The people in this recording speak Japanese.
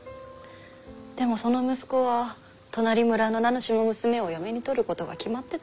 でもその息子は隣村の名主の娘を嫁に取ることが決まってたんだよ。